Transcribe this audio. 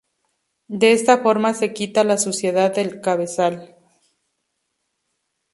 De esta forma se quita la suciedad del cabezal.